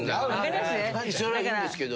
それはいいんですけど。